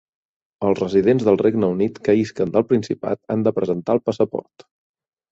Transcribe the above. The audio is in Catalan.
Els residents del Regne Unit que isquen del Principat han de presentar el passaport.